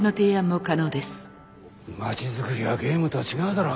街づくりはゲームとは違うだろ。